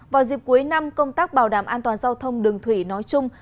vào dịp cuối năm công tác bảo đảm an toàn giao thông đường thủy nói chung